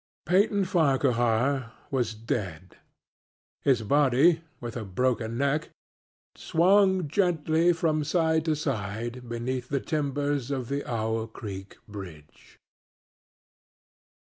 Peyton Farquhar was dead; his body, with a broken neck, swung gently from side to side beneath the timbers of the Owl Creek bridge.